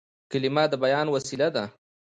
کلیمه د بیان وسیله ده.